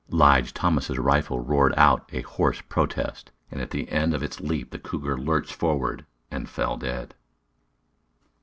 Lige Thomas's rifle roared out a hoarse protest, and at the end of its leap the cougar lurched forward and fell dead.